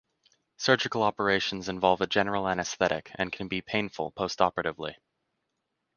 Surgical operations involve a general anaesthetic and can be painful postoperatively.